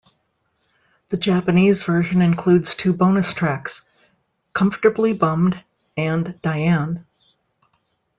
The Japanese version includes the two bonus tracks, "Comfortably Bummed" and "Diane".